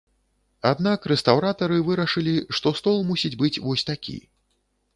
Аднак рэстаўратары вырашылі, што стол тут мусіць быць вось такі.